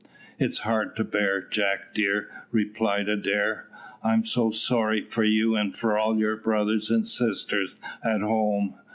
"It is hard to bear, Jack dear," replied Adair; "I am so sorry for you and for all your brothers and sisters at home.